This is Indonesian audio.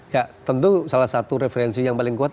ya tentu salah satu referensi yang paling kuat